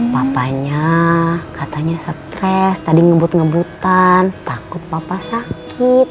papanya katanya stres tadi ngebut ngebutan takut papa sakit